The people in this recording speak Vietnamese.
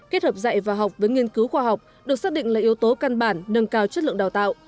kết hợp dạy và học với nghiên cứu khoa học được xác định là yếu tố căn bản nâng cao chất lượng đào tạo